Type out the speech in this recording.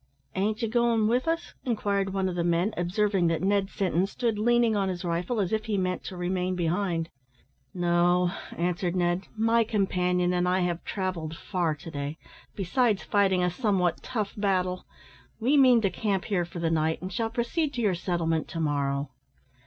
"Ain't you goin' with us?" inquired one of the men, observing that Ned Sinton stood leaning on his rifle, as if he meant to remain behind. "No," answered Ned; "my companion and I have travelled far to day, besides fighting a somewhat tough battle; we mean to camp here for the night, and shall proceed to your settlement to morrow."